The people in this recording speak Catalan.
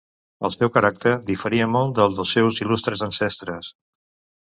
El seu caràcter diferia molt del dels seus il·lustres ancestres.